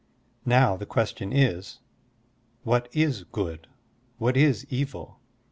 Now, the question is: What is good? What is evil?